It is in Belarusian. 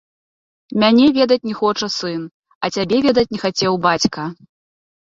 Мяне ведаць не хоча сын, а цябе ведаць не хацеў бацька.